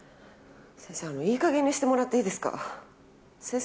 いい加減にしてもらっていいですか、先生